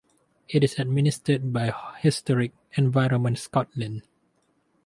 It is administered by Historic Environment Scotland.